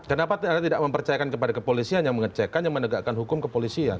kenapa anda tidak mempercayakan kepada kepolisian yang mengecek hanya menegakkan hukum kepolisian